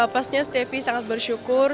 pastinya stevia sangat bersyukur